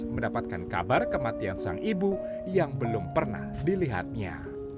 mendapatkan kabar kematian sang ibu yang belum pernah dilihatnya